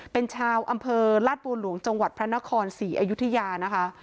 เป็นชาวอำเภอลาดบัวหลวงจังหวัดพระนครศรีอยุธยานะคะ